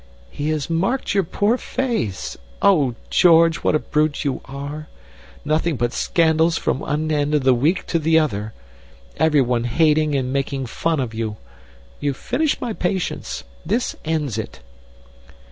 "He has marked your poor face! Oh, George, what a brute you are! Nothing but scandals from one end of the week to the other. Everyone hating and making fun of you. You've finished my patience. This ends it."